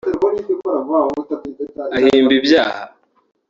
ahimba ibyaha